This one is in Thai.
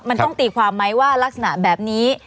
มันต้องตีความไหมว่ารักษณะแบบนี้